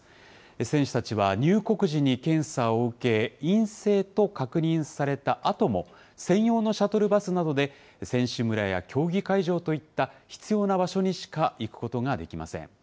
選手たちは入国時に検査を受け、陰性と確認されたあとも、専用のシャトルバスなどで、選手村や競技会場といった必要な場所にしか行くことができません。